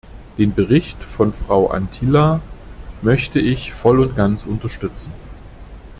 Den Bericht von Frau Anttila möchte ich voll und ganz unterstützen!